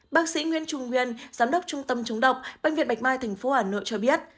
bác sĩ nguyên trung nguyên giám đốc trung tâm chống độc bệnh viện bạch mai thành phố hà nội cho biết